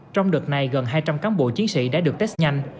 trong đợt này gần hai trăm linh cán bộ chiến sĩ đã được test nhanh